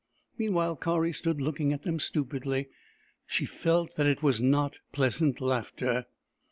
Mean while, Kari stood looking at them stupidly. She felt that it was not pleasant laughter.